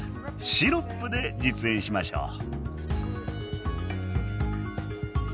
シロップで実演しましょう。